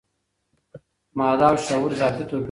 ماده او شعور ذاتي توپیر نه لري.